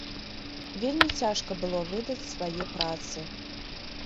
Вельмі цяжка было выдаць свае працы.